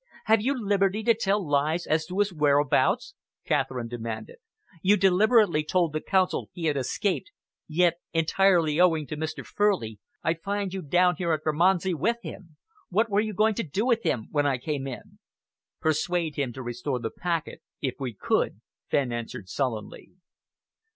"Have you liberty to tell lies as to his whereabouts?" Catherine demanded. "You deliberately told the Council he had escaped, yet, entirely owing to Mr. Furley, I find you down here at Bermondsey with him. What were you going to do with him when I came in?" "Persuade him to restore the packet, if we could," Fenn answered sullenly.